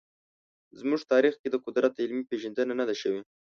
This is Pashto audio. زموږ تاریخ کې د قدرت علمي پېژندنه نه ده شوې.